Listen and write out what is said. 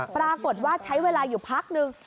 ปรากฏว่าใช้เวลาอยู่พักนึง